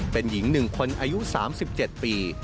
เป็นหญิง๑คนอายุ๓๗ปี